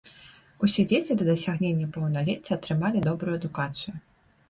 Усе дзеці да дасягнення паўналецця атрымалі добрую адукацыю.